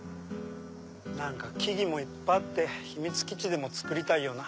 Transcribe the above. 何か木々もいっぱいあって秘密基地でも作りたいような。